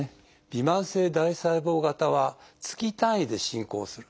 びまん性大細胞型は月単位で進行する。